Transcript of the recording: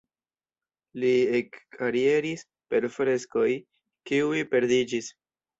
Li ekkarieris per freskoj, kiuj perdiĝis.